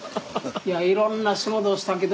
いろんな仕事をしたけど。